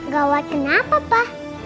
gawat kenapa pa